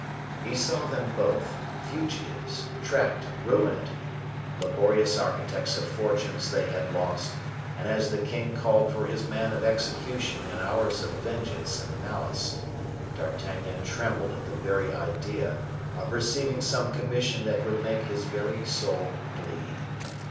He saw them both, fugitives, tracked, ruined laborious architects of fortunes they had lost; and as the king called for his man of execution in hours of vengeance and malice, D'Artagnan trembled at the very idea of receiving some commission that would make his very soul bleed.